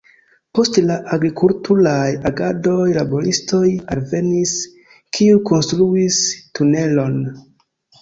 Post la agrikulturaj agadoj laboristoj alvenis, kiuj konstruis tunelon.